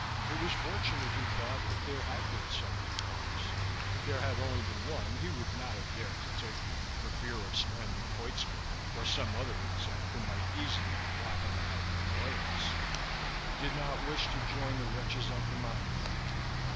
It was fortunate, he thought, that there had been several cars; if there had been only one he would not have dared to take it, for fear of stranding Koitska or some other exec who might easily blot him out in annoyance. He did not wish to join the wretches at the Monument.